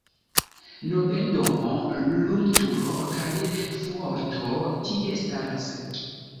Nobeldomo, lumturo kaj fuorto tie staras.